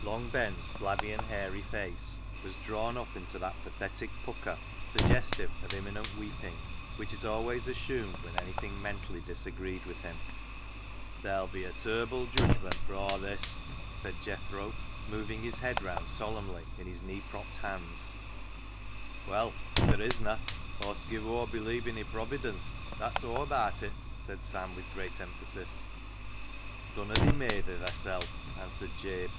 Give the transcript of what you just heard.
Long Ben's flabby and hairy face was drawn up into that pathetic pucker suggestive of imminent weep ing, which it always assumed when anything mentally disagreed with him. "Ther'U be a ter'ble judgment for aw this," 125 126 CLOG SHOP CHRONICLES said Jethro, moving his head round solemnly in his knee propped hands. " Well, if there isna, Aw'st give o'er believin' i' Providence, that's aw abaat it," said Sam, with great emphasis. " Dunna thee meyther thysel'," answered Jabe.